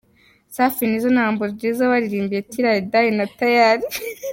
Safi, Nizzo na Humble Jizzo baririmbye ’Till I Die’ na ’Tayali’.